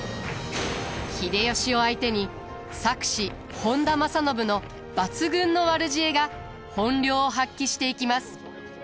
秀吉を相手に策士本多正信の抜群の悪知恵が本領を発揮していきます。